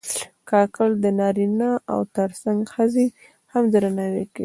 کاکړ د نارینه و تر څنګ ښځې هم درناوي کوي.